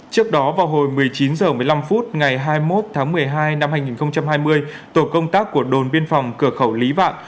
trước đó vào hồi một mươi chín h một mươi năm phút ngày hai mươi một tháng một mươi hai năm hai nghìn hai mươi tổ công tác của đồn biên phòng cửa khẩu lý vạn